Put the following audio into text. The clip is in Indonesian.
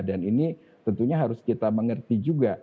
dan ini tentunya harus kita mengerti juga